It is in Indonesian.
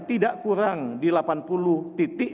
tidak kurang di delapan puluh titik